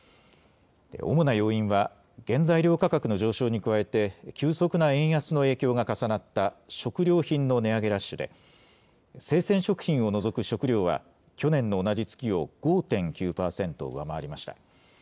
主な要因は、原材料価格の上昇に加えて、急速な円安の影響が重なった食料品の値上げラッシュで、生鮮食品を除く食料は、去年の同じ月を５．９％上回りました。